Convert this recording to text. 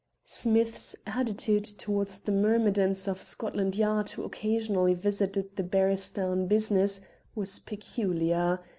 Smith's attitude towards the myrmidons of Scotland Yard who occasionally visited the barrister on business, was peculiar.